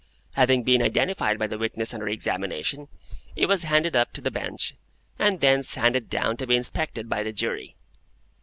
Having been identified by the witness under examination, it was handed up to the Bench, and thence handed down to be inspected by the Jury.